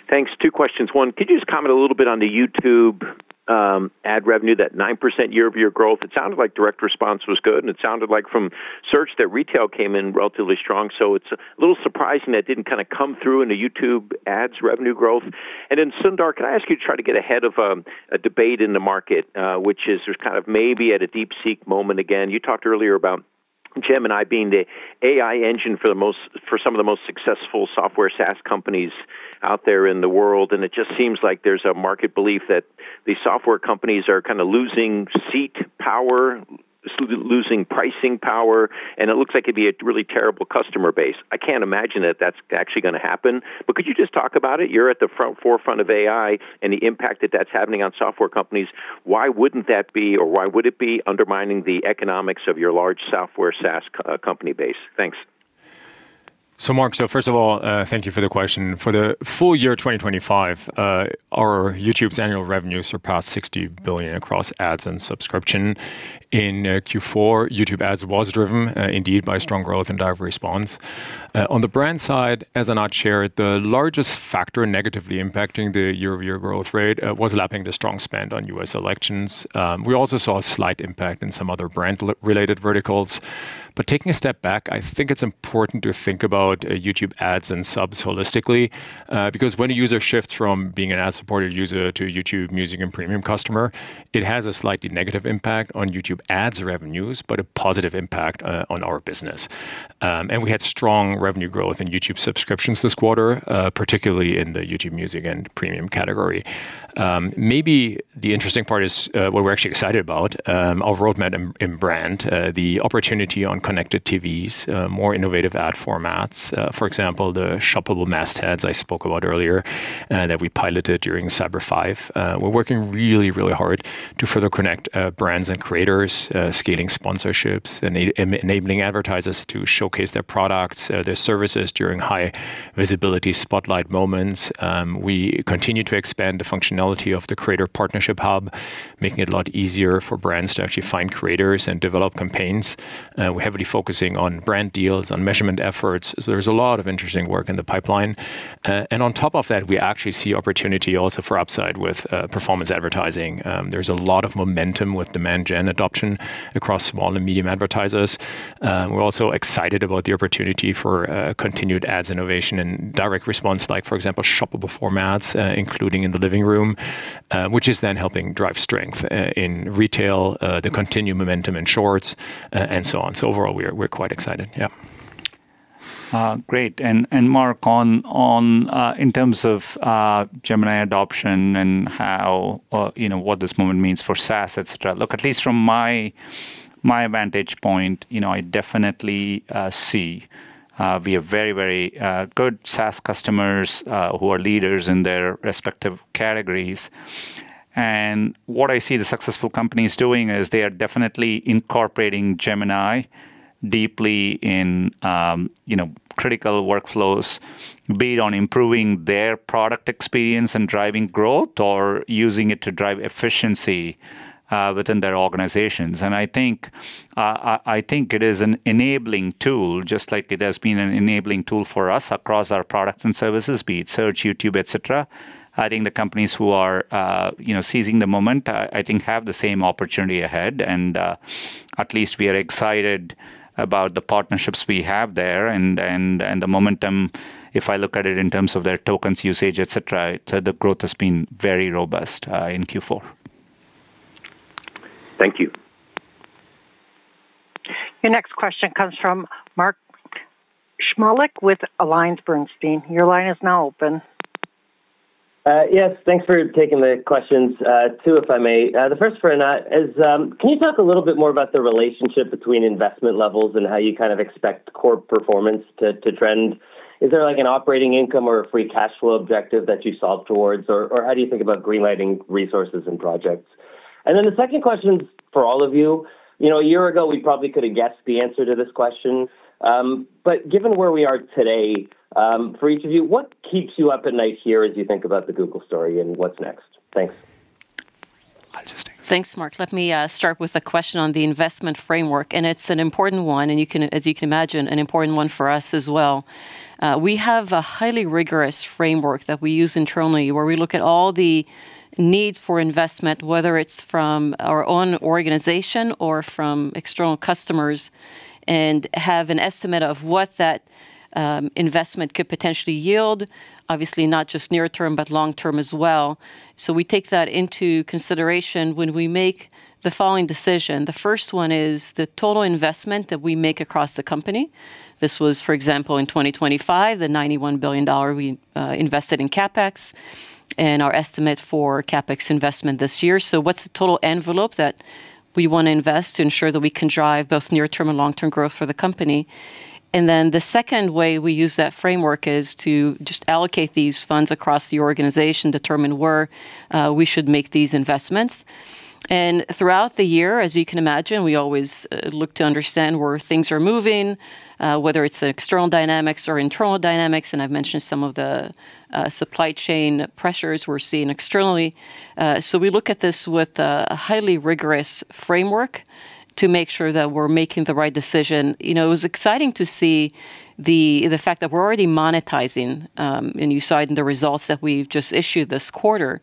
Thanks. Two questions. One, could you just comment a little bit on the YouTube ad revenue, that 9% year-over-year growth? It sounded like direct response was good, and it sounded like from search, that retail came in relatively strong, so it's a little surprising that didn't kind of come through in the YouTube ads revenue growth. And then, Sundar, can I ask you to try to get ahead of a debate in the market, which is we're kind of maybe at a DeepSeek moment again. You talked earlier about Gemini being the AI engine for some of the most successful software SaaS companies out there in the world, and it just seems like there's a market belief that the software companies are kind of losing pricing power, and it looks like it'd be a really terrible customer base. I can't imagine that that's actually gonna happen, but could you just talk about it? You're at the forefront of AI and the impact that that's having on software companies. Why wouldn't that be, or why would it be undermining the economics of your large software SaaS company base? Thanks. So Mark, so first of all, thank you for the question. For the full year 2025, our YouTube's annual revenue surpassed $60 billion across ads and subscription. In Q4, YouTube ads was driven, indeed, by strong growth and direct response. On the brand side, as Anat shared, the largest factor negatively impacting the year-over-year growth rate was lapping the strong spend on U.S. elections. We also saw a slight impact in some other brand-related verticals. But taking a step back, I think it's important to think about YouTube ads and subs holistically. Because when a user shifts from being an ad-supported user to a YouTube Music and Premium customer, it has a slightly negative impact on YouTube ads revenues, but a positive impact on our business. We had strong revenue growth in YouTube subscriptions this quarter, particularly in the YouTube Music and Premium category. Maybe the interesting part is what we're actually excited about, our roadmap in brand, the opportunity on Connected TVs, more innovative ad formats. For example, the Shoppable Mastheads I spoke about earlier that we piloted during Cyber Five. We're working really, really hard to further connect brands and creators, scaling sponsorships, enabling advertisers to showcase their products, their services during high-visibility spotlight moments. We continue to expand the functionality of the Creator Partnership Hub, making it a lot easier for brands to actually find creators and develop campaigns. We're heavily focusing on brand deals, on measurement efforts. So there's a lot of interesting work in the pipeline. On top of that, we actually see opportunity also for upside with performance advertising. There's a lot of momentum with Demand Gen adoption across small and medium advertisers. We're also excited about the opportunity for continued ads innovation and direct response, like, for example, shoppable formats, including in the living room, which is then helping drive strength in retail, the continued momentum in Shorts, and so on. Overall, we're quite excited. Yeah. Great. And Mark, on in terms of Gemini adoption and how, you know, what this moment means for SaaS, et cetera. Look, at least from my vantage point, you know, I definitely see we have very, very good SaaS customers who are leaders in their respective categories. And what I see the successful companies doing is they are definitely incorporating Gemini deeply in, you know, critical workflows, be it on improving their product experience and driving growth, or using it to drive efficiency within their organizations. And I think it is an enabling tool, just like it has been an enabling tool for us across our products and services, be it Search, YouTube, et cetera. I think the companies who are, you know, seizing the moment, I think, have the same opportunity ahead. And at least we are excited about the partnerships we have there and the momentum, if I look at it in terms of their tokens usage, et cetera, the growth has been very robust in Q4. Thank you. Your next question comes from Mark Shmulik with AllianceBernstein. Your line is now open. Yes, thanks for taking the questions. Two, if I may. The first for Anat is, can you talk a little bit more about the relationship between investment levels and how you kind of expect core performance to, to trend? Is there, like, an operating income or a free cash flow objective that you solve towards? Or, or how do you think about greenlighting resources and projects? And then the second question is for all of you. You know, a year ago, we probably could have guessed the answer to this question. But given where we are today, for each of you, what keeps you up at night here as you think about the Google story and what's next? Thanks. I'll just take this. Thanks, Mark. Let me start with the question on the investment framework, and it's an important one, and as you can imagine, an important one for us as well. We have a highly rigorous framework that we use internally, where we look at all the needs for investment, whether it's from our own organization or from external customers, and have an estimate of what that investment could potentially yield. Obviously, not just near term, but long term as well. So we take that into consideration when we make the following decision. The first one is the total investment that we make across the company. This was, for example, in 2025, the $91 billion we invested in CapEx, and our estimate for CapEx investment this year. So what's the total envelope that we want to invest to ensure that we can drive both near-term and long-term growth for the company? And then the second way we use that framework is to just allocate these funds across the organization, determine where we should make these investments. And throughout the year, as you can imagine, we always look to understand where things are moving, whether it's the external dynamics or internal dynamics, and I've mentioned some of the supply chain pressures we're seeing externally. So we look at this with a highly rigorous framework to make sure that we're making the right decision. You know, it was exciting to see the fact that we're already monetizing, and you saw it in the results that we've just issued this quarter,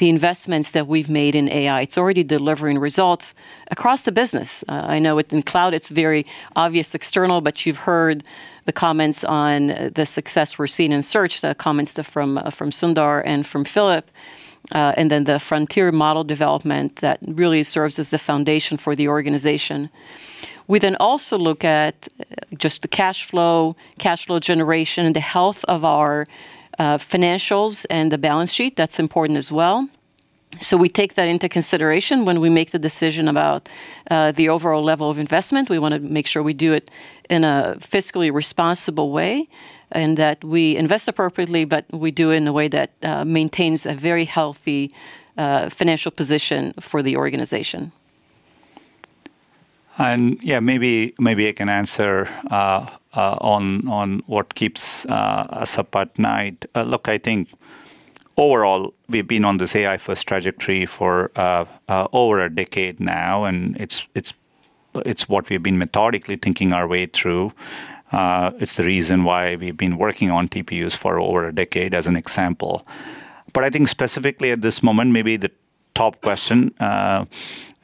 the investments that we've made in AI. It's already delivering results across the business. I know it in cloud, it's very obvious external, but you've heard the comments on the success we're seeing in Search, the comments from Sundar and from Philipp, and then the frontier model development that really serves as the foundation for the organization. We then also look at just the cash flow, cash flow generation, and the health of our financials and the balance sheet. That's important as well. So we take that into consideration when we make the decision about the overall level of investment. We want to make sure we do it in a fiscally responsible way, and that we invest appropriately, but we do it in a way that maintains a very healthy financial position for the organization. Yeah, maybe I can answer on what keeps us up at night. Look, I think overall, we've been on this AI-first trajectory for over a decade now, and it's what we've been methodically thinking our way through. It's the reason why we've been working on TPUs for over a decade, as an example. But I think specifically at this moment, maybe the top question,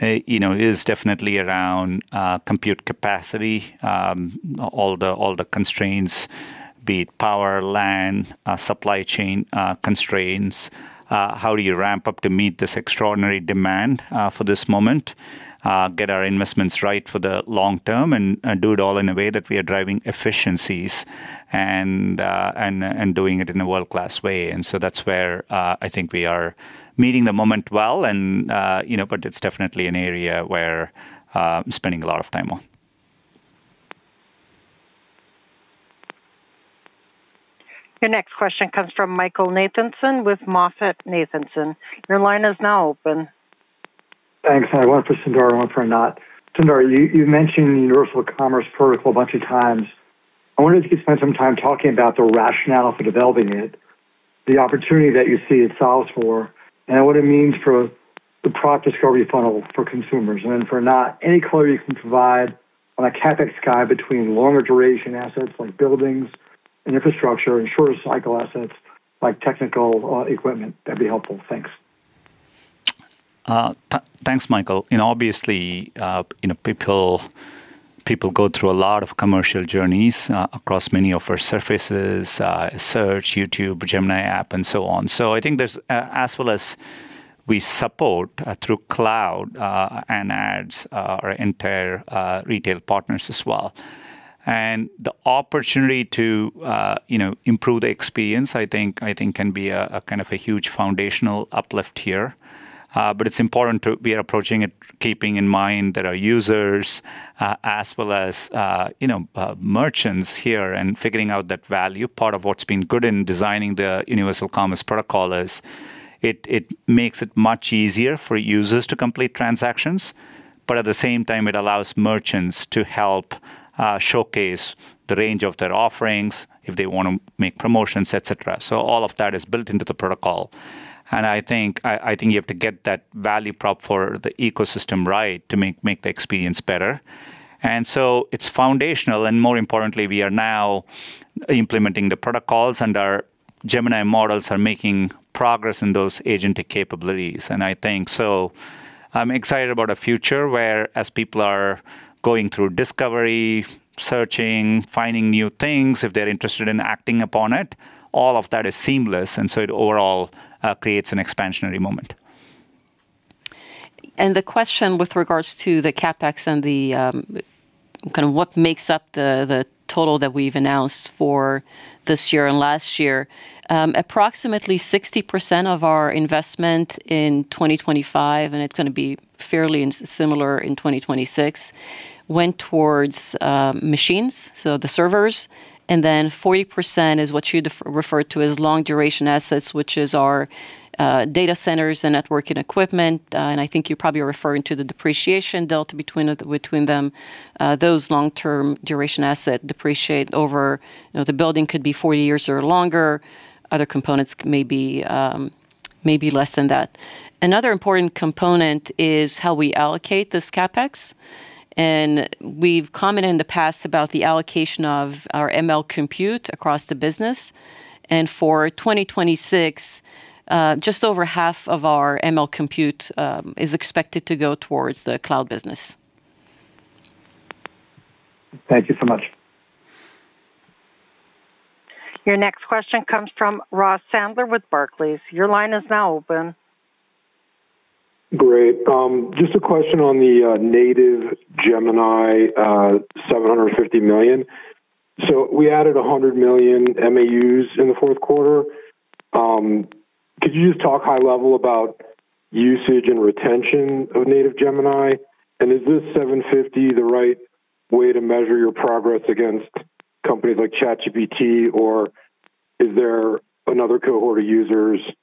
you know, is definitely around compute capacity, all the constraints, be it power, LAN, supply chain constraints. How do you ramp up to meet this extraordinary demand for this moment, get our investments right for the long term, and do it all in a way that we are driving efficiencies and doing it in a world-class way? And so that's where I think we are meeting the moment well, and you know, but it's definitely an area where I'm spending a lot of time on. Your next question comes from Michael Nathanson with MoffettNathanson. Your line is now open. Thanks. I have one for Sundar, one for Anat. Sundar, you, you mentioned Universal Commerce Protocol a bunch of times. I wonder if you could spend some time talking about the rationale for developing it, the opportunity that you see it solves for, and what it means for the product discovery funnel for consumers. And then for Anat, any clarity you can provide on a CapEx guide between longer duration assets, like buildings and infrastructure, and shorter cycle assets, like technical equipment, that'd be helpful. Thanks. Thanks, Michael. You know, obviously, you know, people go through a lot of commercial journeys across many of our surfaces, Search, YouTube, Gemini app, and so on. So I think there's as well as we support through Cloud and ads, our entire retail partners as well. And the opportunity to, you know, improve the experience, I think can be a kind of a huge foundational uplift here. But it's important to be approaching it, keeping in mind that our users as well as, you know, merchants here and figuring out that value. Part of what's been good in designing the Universal Commerce Protocol is it makes it much easier for users to complete transactions, but at the same time, it allows merchants to help showcase the range of their offerings if they want to make promotions, et cetera. So all of that is built into the protocol, and I think you have to get that value prop for the ecosystem right to make the experience better. And so it's foundational, and more importantly, we are now implementing the protocols, and our Gemini models are making progress in those agentic capabilities, and I think... So I'm excited about a future where as people are going through discovery, searching, finding new things, if they're interested in acting upon it, all of that is seamless, and so it overall creates an expansionary moment. The question with regards to the CapEx and the kind of what makes up the total that we've announced for this year and last year, approximately 60% of our investment in 2025, and it's gonna be fairly similar in 2026, went towards machines, so the servers, and then 40% is what you refer to as long-duration assets, which is our data centers and networking equipment. And I think you're probably referring to the depreciation delta between them. Those long-term duration asset depreciate over, you know, the building could be 40 years or longer. Other components may be maybe less than that. Another important component is how we allocate this CapEx, and we've commented in the past about the allocation of our ML compute across the business. For 2026, just over half of our ML compute is expected to go towards the cloud business. Thank you so much. Your next question comes from Ross Sandler with Barclays. Your line is now open. Great. Just a question on the native Gemini, 750 million. So we added 100 million MAUs in the fourth quarter. Could you just talk high level about usage and retention of native Gemini? And is this 750 the right way to measure your progress against companies like ChatGPT, or is there another cohort of users that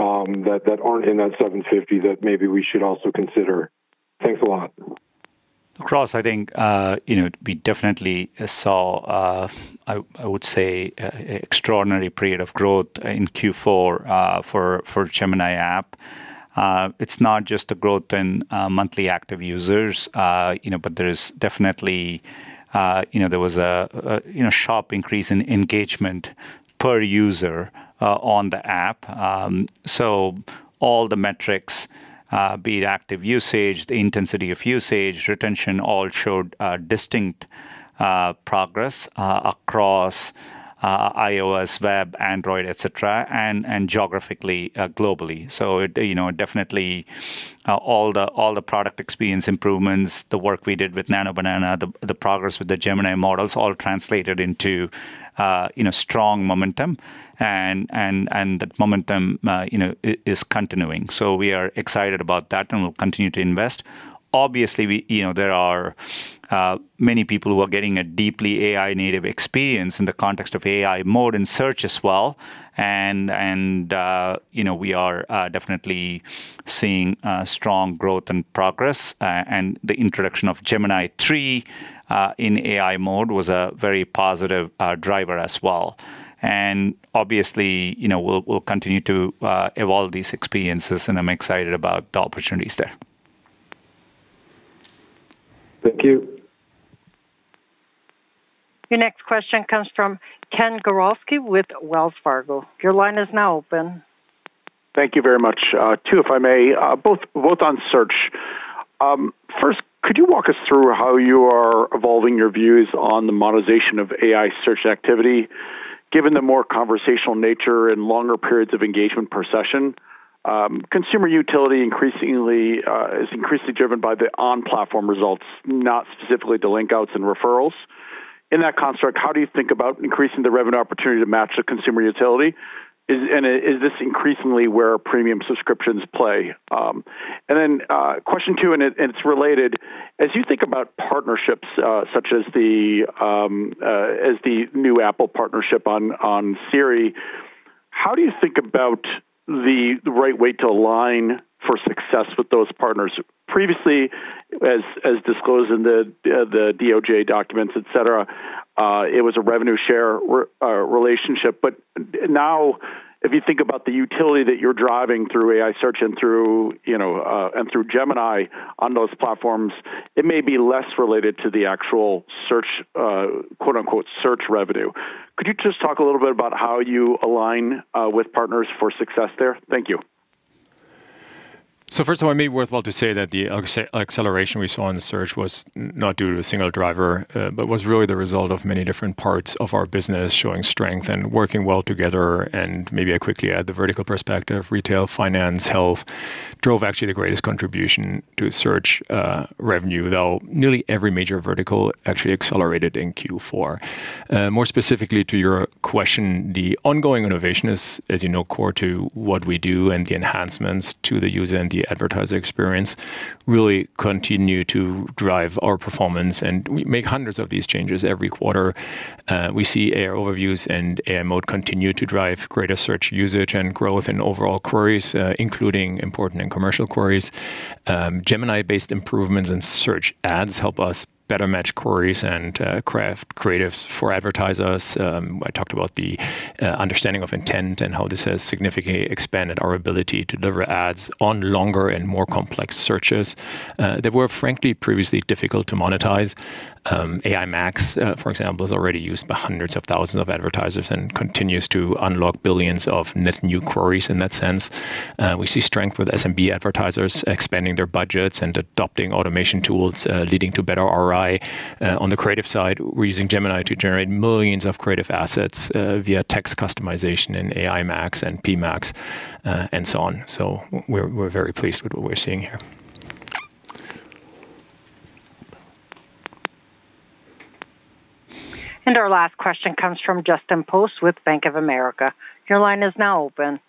aren't in that 750 that maybe we should also consider? Thanks a lot. Ross, I think, you know, we definitely saw, I, I would say, extraordinary period of growth in Q4, for, for Gemini app. It's not just a growth in, monthly active users, you know, but there is definitely, you know, there was a, a, you know, sharp increase in engagement per user, on the app. So all the metrics, be it active usage, the intensity of usage, retention, all showed, distinct, progress, across, iOS, web, Android, et cetera, and, and, geographically, globally. So, you know, definitely, all the, all the product experience improvements, the work we did with Nano Banana, the, the progress with the Gemini models, all translated into, you know, strong momentum, and, and, and that momentum, you know, is continuing. So we are excited about that, and we'll continue to invest. Obviously, we, you know, there are many people who are getting a deeply AI-native experience in the context of AI Mode and search as well. And you know, we are definitely seeing strong growth and progress, and the introduction of Gemini 3 in AI Mode was a very positive driver as well. And obviously, you know, we'll continue to evolve these experiences, and I'm excited about the opportunities there. Thank you. Your next question comes from Ken Gawrelski with Wells Fargo. Your line is now open. Thank you very much. Two, if I may, both on Search. First, could you walk us through how you are evolving your views on the monetization of AI search activity, given the more conversational nature and longer periods of engagement per session? Consumer utility increasingly is increasingly driven by the on-platform results, not specifically the link-outs and referrals. In that construct, how do you think about increasing the revenue opportunity to match the consumer utility? And is this increasingly where premium subscriptions play? And then, question two, and it's related: As you think about partnerships, such as the new Apple partnership on Siri, how do you think about the right way to align for success with those partners? Previously, as disclosed in the DOJ documents, et cetera, it was a revenue share relationship. But now, if you think about the utility that you're driving through AI search and through, you know, and through Gemini on those platforms, it may be less related to the actual search, quote-unquote, "search revenue." Could you just talk a little bit about how you align with partners for success there? Thank you. So first of all, it may be worthwhile to say that the acceleration we saw in Search was not due to a single driver, but was really the result of many different parts of our business showing strength and working well together. And maybe I quickly add the vertical perspective, retail, finance, health, drove actually the greatest contribution to Search revenue, though nearly every major vertical actually accelerated in Q4. More specifically to your question, the ongoing innovation is, as you know, core to what we do, and the enhancements to the user and the advertiser experience really continue to drive our performance, and we make hundreds of these changes every quarter. We see AI Overviews and AI Mode continue to drive greater Search usage and growth in overall queries, including important and commercial queries. Gemini-based improvements in Search Ads help us better match queries and craft creatives for advertisers. I talked about the understanding of intent and how this has significantly expanded our ability to deliver ads on longer and more complex searches that were, frankly, previously difficult to monetize. AI Max, for example, is already used by hundreds of thousands of advertisers and continues to unlock billions of net new queries in that sense. We see strength with SMB advertisers expanding their budgets and adopting automation tools, leading to better ROI. On the creative side, we're using Gemini to generate millions of creative assets via text customization in AI Max and PMax, and so on. So we're very pleased with what we're seeing here. Our last question comes from Justin Post with Bank of America. Your line is now open.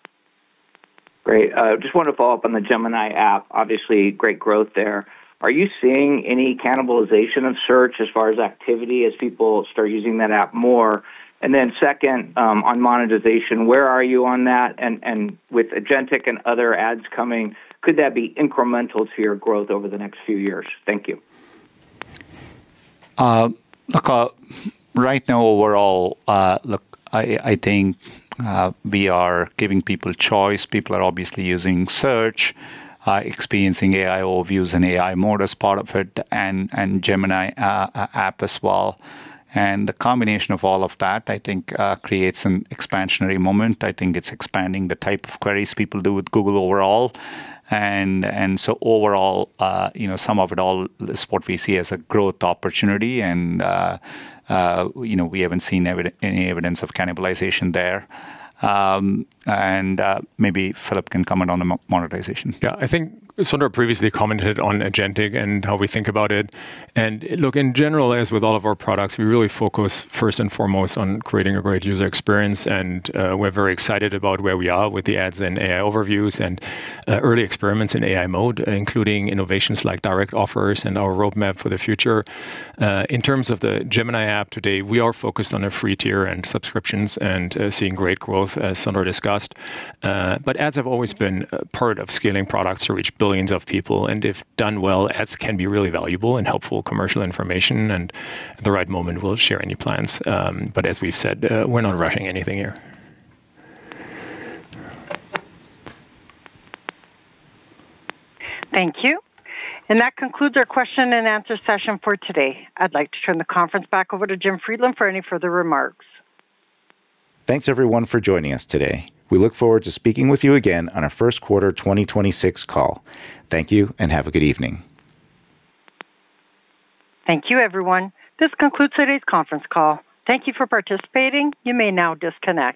Great. Just wanted to follow up on the Gemini app. Obviously, great growth there. Are you seeing any cannibalization of Search as far as activity, as people start using that app more? And then second, on monetization, where are you on that? And with agentic and other ads coming, could that be incremental to your growth over the next few years? Thank you. Look, right now, overall, look, I think we are giving people choice. People are obviously using Search, experiencing AI Overviews and AI Mode as part of it, and Gemini app as well. And the combination of all of that, I think, creates an expansionary moment. I think it's expanding the type of queries people do with Google overall. And so overall, you know, sum of it all, is what we see as a growth opportunity. And, you know, we haven't seen any evidence of cannibalization there. And, maybe Philipp can comment on the monetization. Yeah, I think Sundar previously commented on agentic and how we think about it. And look, in general, as with all of our products, we really focus first and foremost on creating a great user experience, and we're very excited about where we are with the ads and AI Overviews and early experiments in AI Mode, including innovations like direct offers and our roadmap for the future. In terms of the Gemini app, today, we are focused on a free tier and subscriptions and seeing great growth, as Sundar discussed. But ads have always been a part of scaling products to reach billions of people, and if done well, ads can be really valuable and helpful commercial information, and at the right moment, we'll share any plans. But as we've said, we're not rushing anything here. Thank you. That concludes our question-and-answer session for today. I'd like to turn the conference back over to Jim Friedland for any further remarks. Thanks, everyone, for joining us today. We look forward to speaking with you again on our first quarter 2026 call. Thank you, and have a good evening. Thank you, everyone. This concludes today's conference call. Thank you for participating. You may now disconnect.